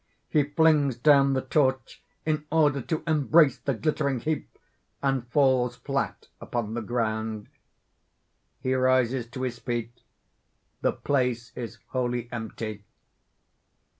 (He flings down the torch in order to embrace the glittering heap, and falls flat upon the ground. _He rises to his feet. The place is wholly empty.